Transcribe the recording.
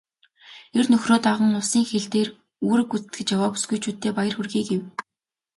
"Эр нөхрөө даган улсын хил дээр үүрэг гүйцэтгэж яваа бүсгүйчүүддээ баяр хүргэе" гэв.